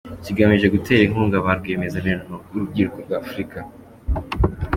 Kigamije gutera inkunga ba rwiyemezamirimo b’urubyiruko rwa Afurika.